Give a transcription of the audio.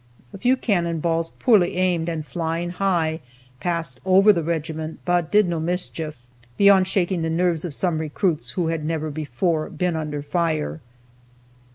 A few cannon balls, poorly aimed and flying high, passed over the regiment, but did no mischief, beyond shaking the nerves of some recruits who never before had been under fire.